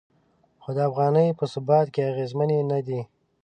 خو د افغانۍ په ثبات کې اغیزمنې نه دي.